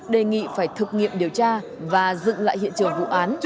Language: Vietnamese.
đề nghị phải thực nghiệm điều tra và dựng lại hiện trường vụ án